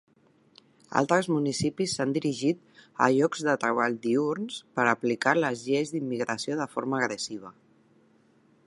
Altres municipis s'han dirigit a llocs de treball diürns per aplicar les lleis d'immigració de forma agressiva.